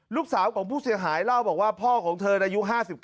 ลูกสาวของผู้เสียหายเล่าบอกว่าพ่อของเธออายุ๕๙